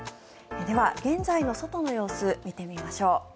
では、現在の外の様子見てみましょう。